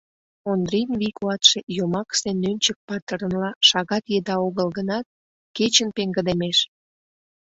Ондрин вий-куатше йомакысе Нӧнчык патырынла шагат еда огыл гынат, кечын пеҥгыдемеш.